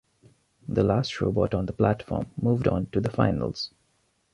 The last robot on the platform moved on to the finals.